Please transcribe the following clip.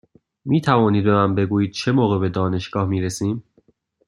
می توانید به من بگویید چه موقع به دانشگاه می رسیم؟